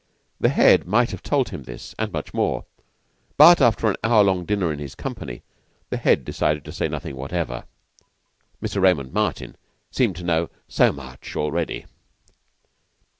The Head might have told him this, and much more; but, after an hour long dinner in his company, the Head decided to say nothing whatever. Mr. Raymond Martin seemed to know so much already.